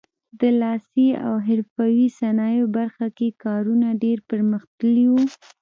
د لاسي او حرفوي صنایعو برخه کې کارونه ډېر پرمختللي وو.